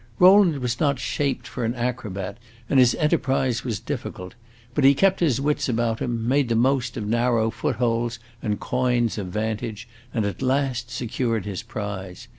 Rowland was not shaped for an acrobat, and his enterprise was difficult; but he kept his wits about him, made the most of narrow foot holds and coigns of vantage, and at last secured his prize.